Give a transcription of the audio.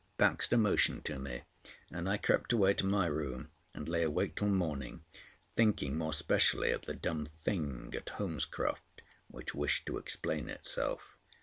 Baxter motioned to me, and I crept away to my room, and lay awake till morning, thinking more specially of the dumb Thing at Holmescroft which wished to explain itself.